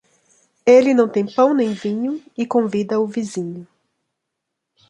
Ele não tem pão nem vinho e convida o vizinho.